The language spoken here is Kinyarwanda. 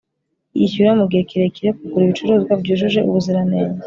yishyura mugihe kirekire kugura ibicuruzwa byujuje ubuziranenge